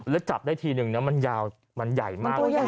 แล้วจับได้ทีนึงนะมันยาวมันใหญ่มาก